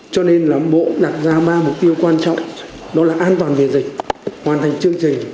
cho nên là bộ đặt ra ba mục tiêu quan trọng đó là an toàn về dịch hoàn thành chương trình